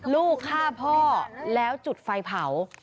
ลูกฆ่าพ่อแล้วจุดไฟเผา